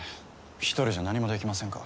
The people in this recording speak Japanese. １人じゃ何もできませんか？